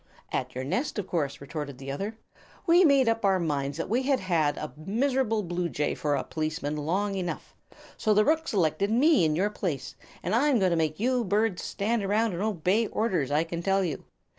"At your nest, of course," retorted the other. "We made up our minds that we have had a miserable bluejay for a policeman long enough; so the rooks elected me in your place, and I'm going to make you birds stand around and obey orders, I can tell you!